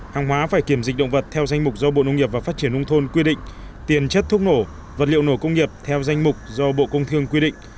hàng hóa phải kiểm dịch động vật theo danh mục do bộ nông nghiệp và phát triển nông thôn quy định tiền chất thuốc nổ vật liệu nổ công nghiệp theo danh mục do bộ công thương quy định